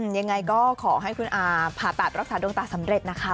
ยังไงก็ขอให้คุณอาผ่าตัดรักษาดวงตาสำเร็จนะคะ